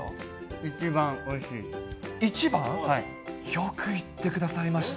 よく言ってくださいました。